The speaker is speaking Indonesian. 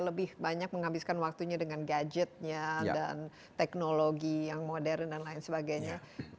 lebih banyak menghabiskan waktunya dengan gadgetnya dan teknologi yang modern dan lain sebagainya